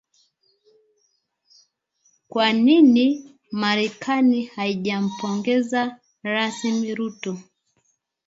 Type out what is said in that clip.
Kwa nini Marekani haijampongeza rasmi Ruto